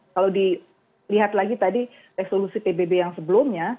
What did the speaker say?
kalau dilihat lagi tadi resolusi pbb yang sebelumnya